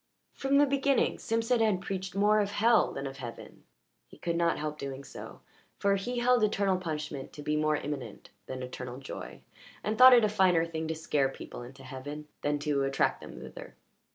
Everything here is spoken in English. From the beginning Simpson had preached more of hell than of heaven; he could not help doing so, for he held eternal punishment to be more imminent than eternal joy, and thought it a finer thing to scare people into heaven than to attract them thither.